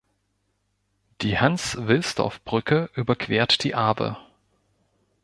Die Hans-Wilsdorf-Brücke überquert die Arve.